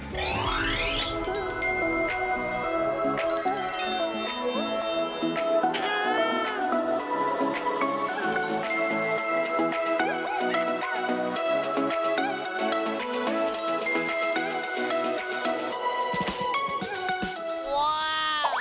เพื่อแฟนคลับชาวไทยได้โพสต์ภาพของหมูบัอย